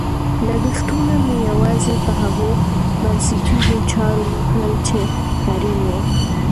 لګښتونه مې یوازې په هغو بنسټیزو چارو وکړل چې اړین وو.